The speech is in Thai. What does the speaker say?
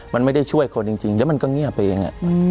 มันไม่ได้ช่วยคนจริงแล้วมันก็เงียบไปเอง